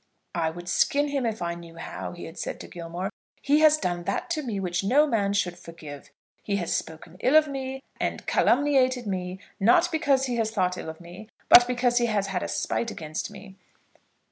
"I would skin him if I knew how," he had said to Gilmore. "He has done that to me which no man should forgive. He has spoken ill of me, and calumniated me, not because he has thought ill of me, but because he has had a spite against me.